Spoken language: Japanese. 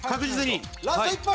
ラスト１分！